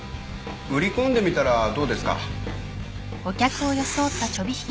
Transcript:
売り込んでみたらどうですか？